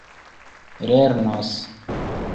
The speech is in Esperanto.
lernos